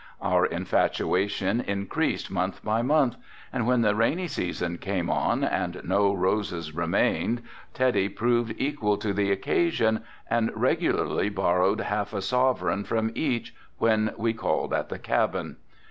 Our infatuation increased month by month and when the rainy season came on and no roses remained Teddy proved equal to the occasion and regularly borrowed half a sovereign from each when we called at the cabin.